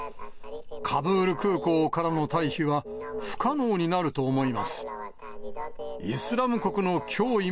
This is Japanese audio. カブール空港からの退避は不可能になると思います。